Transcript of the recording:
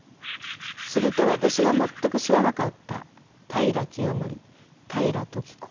すると私が全く知らなかった平清盛平時子